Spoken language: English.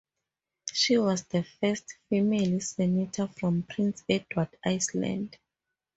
She was the first female Senator from Prince Edward Island.